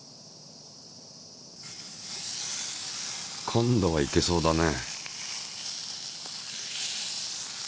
今度はいけそうだね。